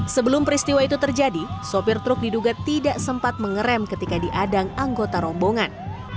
sebelum peristiwa itu terjadi sopir truk diduga tidak sempat mengerem ketika diadang anggota rombongan